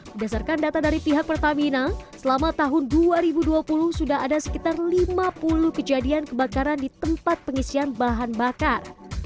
berdasarkan data dari pihak pertamina selama tahun dua ribu dua puluh sudah ada sekitar lima puluh kejadian kebakaran di tempat pengisian bahan bakar